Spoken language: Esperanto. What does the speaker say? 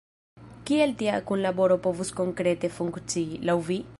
Kiel tia kunlaboro povus konkrete funkcii, laŭ vi?